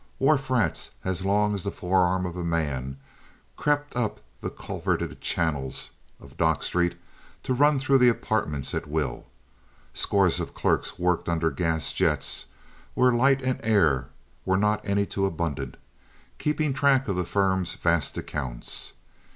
Wharf rats as long as the forearm of a man crept up the culverted channels of Dock Street to run through the apartments at will. Scores of clerks worked under gas jets, where light and air were not any too abundant, keeping track of the firm's vast accounts.